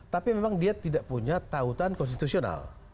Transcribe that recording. tapi memang dia tidak punya tautan konstitusional